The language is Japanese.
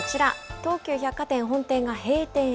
東急百貨店本店が閉店へ。